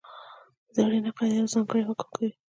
زرینه قاعده یو ځانګړی حکم کوي.